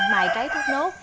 mài trái thốt nốt